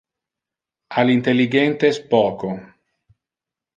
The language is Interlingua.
Al intelligentes poco.